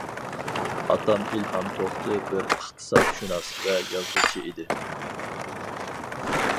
ئاتام ئىلھام توختى بىر ئىقتىسادشۇناس ۋە يازغۇچى ئىدى.